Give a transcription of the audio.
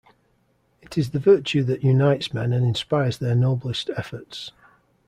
It is the virtue that unites men and inspires their noblest efforts.